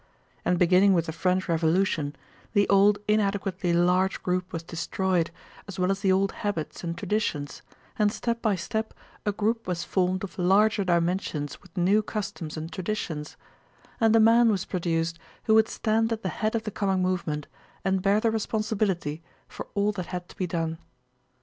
And beginning with the French Revolution the old inadequately large group was destroyed, as well as the old habits and traditions, and step by step a group was formed of larger dimensions with new customs and traditions, and a man was produced who would stand at the head of the coming movement and bear the responsibility for all that had to be done.